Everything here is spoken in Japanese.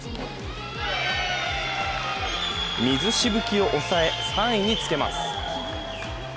水しぶきを抑え、３位につけます。